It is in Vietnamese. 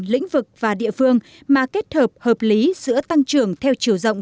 lĩnh vực và địa phương mà kết hợp hợp lý giữa tăng trưởng theo chiều rộng